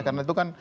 karena itu kan